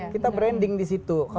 kita branding di situ